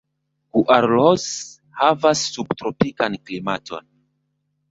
Guarulhos havas subtropikan klimaton.